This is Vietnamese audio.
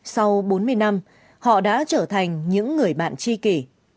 sau bốn mươi năm họ đã trở thành những người bạn chi kỷ